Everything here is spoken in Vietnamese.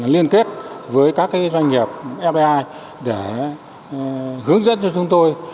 liên kết với các doanh nghiệp fdi để hướng dẫn cho chúng tôi